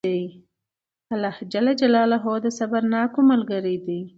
الله جل جلاله د صبرناکو ملګری دئ!